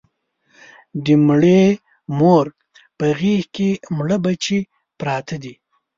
د مړې مور په غېږ کې مړه بچي پراته دي